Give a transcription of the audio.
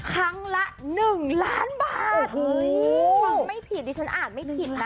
ครั้งละ๑ล้านบาทฟังไม่ผิดดิฉันอ่านไม่ผิดนะ